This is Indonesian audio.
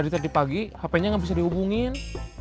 tadi pagi hp nya gak bisa dihubungin